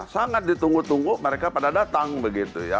sangat ditunggu tunggu mereka pada datang begitu ya